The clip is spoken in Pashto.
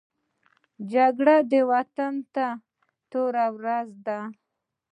جګړه وطن ته توره ورځ ده